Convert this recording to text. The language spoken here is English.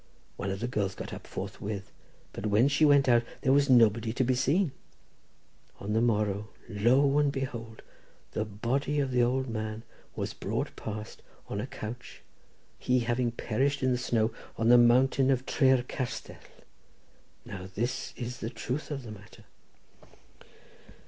One of the girls got up forthwith, but when she went out there was nobody to be seen. On the morrow, lo, and behold! the body of the old man was brought past on a couch, he having perished in the snow on the mountain of Tre'r Castell. Now this is the truth of the matter."